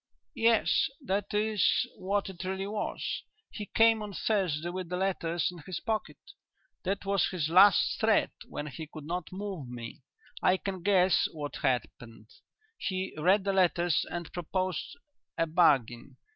"Yes, that is what it really was. He came on Thursday with the letters in his pocket. That was his last threat when he could not move me. I can guess what happened. He read the letters and proposed a bargain.